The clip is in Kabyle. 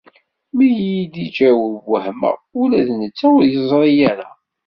Mi yi-d-ijaweb wehmeɣ, ula d netta ur yeẓri ara.